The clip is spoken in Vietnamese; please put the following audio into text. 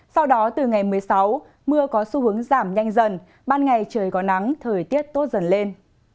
sau đó từ ngày một mươi sáu mưa có xu hướng giảm nhanh dần ban ngày trời có nắng thời tiết tốt dần lên